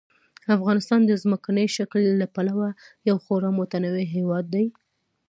افغانستان د ځمکني شکل له پلوه یو خورا متنوع هېواد دی.